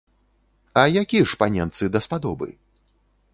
А які ж паненцы даспадобы?